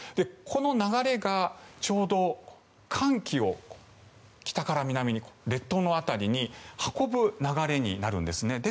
この流れがちょうど寒気を北から南に列島の辺りに運ぶ流れになるんですね。